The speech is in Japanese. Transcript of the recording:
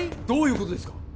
どういうことですか？